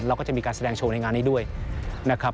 เราก็จะมีการแสดงโชว์ในงานนี้ด้วยนะครับ